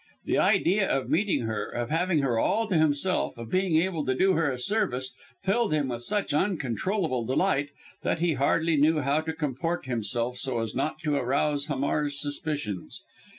The idea of meeting her of having her all to himself of being able to do her a service filled him with such uncontrollable delight, that he hardly knew how to comport himself so as not to arouse Hamar's suspicions.